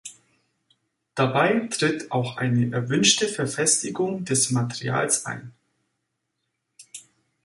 Dabei tritt auch eine erwünschte Verfestigung des Materials ein.